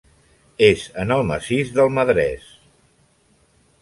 És en el massís del Madres.